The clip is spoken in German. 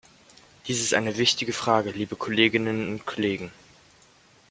Dies ist eine wichtige Frage, liebe Kolleginnen und Kollegen.